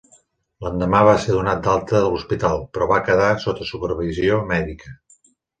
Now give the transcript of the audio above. L'endemà va ser donat d'alta de l'hospital, però va quedar sota supervisió mèdica.